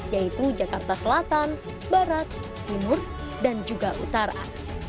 yaitu jakarta selatan barat timur dan juga utara